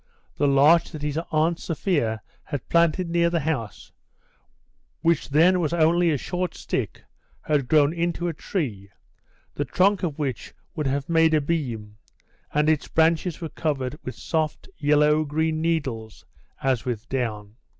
The larch that his aunt Sophia had planted near the house, which then was only a short stick, had grown into a tree, the trunk of which would have made a beam, and its branches were covered with soft yellow green needles as with down.